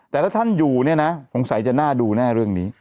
แต่ถ้าท่านอยู่เนี่ยนะสงสัยจะน่าดูแน่เรื่องนี้